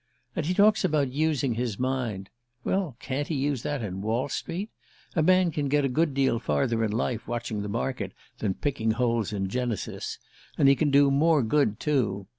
And he talks about using his mind well, can't he use that in Wall Street? A man can get a good deal farther in life watching the market than picking holes in Genesis; and he can do more good too.